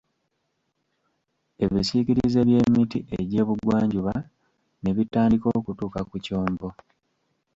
Ebisiikirize by'emiti egy'ebugwanjuba ne bitandika okutuuka ku kyombo.